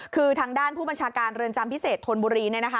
คือทางด้านผู้บัญชาการเรือนจำพิเศษธนบุรีเนี่ยนะคะ